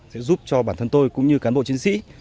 sẽ giúp cho bản thân tôi cũng như cán bộ chiến sĩ